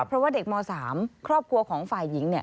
เพราะว่าเด็กม๓ครอบครัวของฝ่ายหญิง